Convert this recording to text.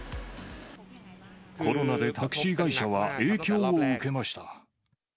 コロナでタクシー会社は影響を受けました。